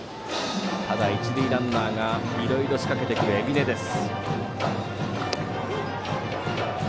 ただ、一塁ランナーがいろいろ仕掛けてくる海老根です。